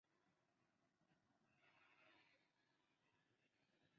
He faced challengers Tommy Brann and Mark Huizenga.